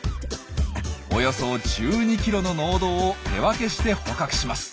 およそ１２キロの農道を手分けして捕獲します。